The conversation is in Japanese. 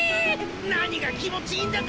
何が気持ちいいんだか！